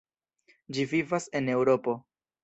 Ĝi vivas en Eŭropo.